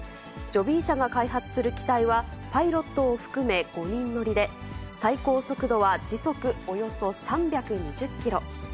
ジョビー社が開発する機体は、パイロットを含め５人乗りで、最高速度は時速およそ３２０キロ。